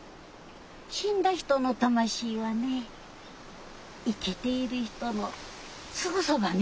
死んだ人の魂はね生きている人のすぐそばにいるさぁ。